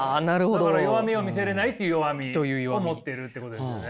だから弱みを見せれないという弱みを持ってるってことですよね。